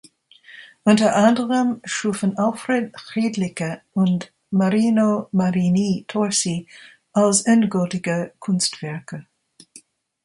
Unter anderem schufen Alfred Hrdlicka und Marino Marini Torsi als endgültige Kunstwerke.